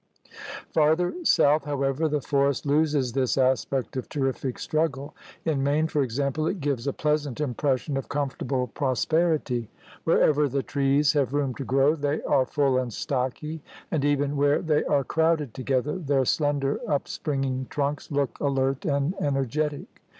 Farther south, however, the forest loses this aspect of terrific struggle. In Maine, for example, it gives a pleasant impression of comfortable prosperity. Wherever the trees have room to grow, they are full and stocky, and even where they are crowded together their slender upspringing trunks look alert and energetic.